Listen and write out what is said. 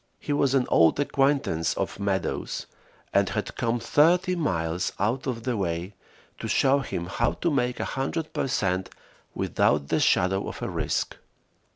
He was an old acquaintance of Meadows, and had come thirty miles out of the way to show him how to make 100 per cent without the shadow of a risk.